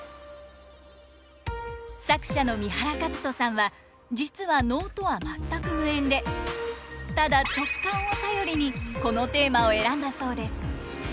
作者の三原和人さんは実は能とは全く無縁でただ直感を頼りにこのテーマを選んだそうです。